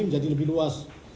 menjadi lebih luas